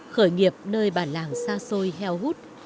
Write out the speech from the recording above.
khởi nghiệp nơi bản làng xa xôi heo hút